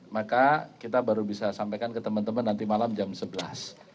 maka kita baru bisa sampaikan ke teman teman nanti malam jam sebelas